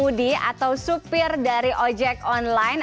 ada tiga pengemudi atau supir dari ojek online